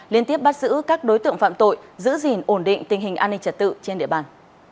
liên tiếp bắt giữ các đối tượng phạm tội giữ gìn ổn định tình hình an ninh trật tự trên địa bàn